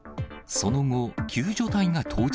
その後、救助隊が到着。